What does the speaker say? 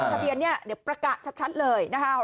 ทะเบียนเนี่ยเดี๋ยวประกาศชัดเลยนะคะ